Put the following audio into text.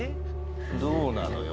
どうなのよ